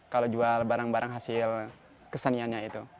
kalau jual barang barang hasil keseniannya itu